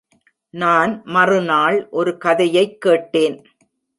நான் மறுநாள் ஒரு கதையைக் கேட்டேன்.